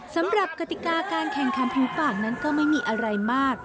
กติกาการแข่งขันผิวปากนั้นก็ไม่มีอะไรมาก